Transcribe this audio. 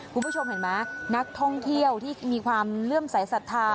คุณผู้ชมเห็นไหมนักท่องเที่ยวที่มีความเลื่อมสายศรัทธา